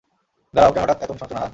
দাঁড়াও, কেন হঠাৎ এত অনুশোচনা, হাহ?